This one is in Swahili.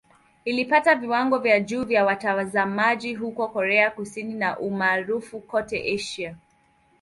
Ilipata viwango vya juu vya watazamaji huko Korea Kusini na umaarufu kote Asia.